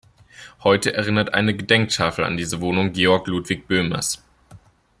Heute erinnert eine Gedenktafel an diese Wohnung Georg Ludwig Böhmers.